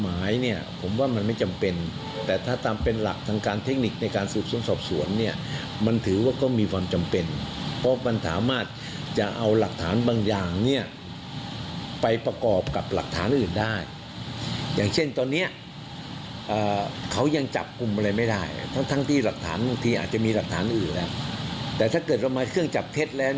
หมายเนี่ยผมว่ามันไม่จำเป็นแต่ถ้าตามเป็นหลักทางการเทคนิคในการสืบสวนสอบสวนเนี่ยมันถือว่าก็มีความจำเป็นเพราะมันสามารถจะเอาหลักฐานบางอย่างเนี่ยไปประกอบกับหลักฐานอื่นได้อย่างเช่นตอนนี้เขายังจับกลุ่มอะไรไม่ได้ทั้งทั้งที่หลักฐานบางทีอาจจะมีหลักฐานอื่นแต่ถ้าเกิดเรามาเครื่องจับเท็จแล้ว